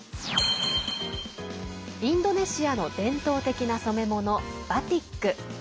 インドネシアの伝統的な染め物「バティック」。